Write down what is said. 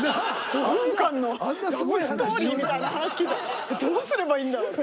５分間のラブストーリーみたいな話聞いてどうすればいいんだろう。